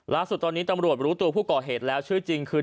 ล่าสุดตอนนี้ตำรวจรู้ตัวผู้ก่อเหตุแล้วชื่อจริงคือ